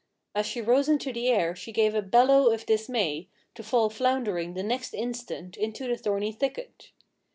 As she rose into the air she gave a bellow of dismay, to fall floundering the next instant into the thorny thicket.